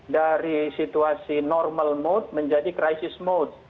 dari situasi normal mode menjadi crisis mode